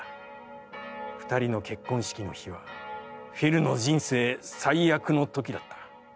二人の結婚式の日は、フィルの人生最悪の時だった。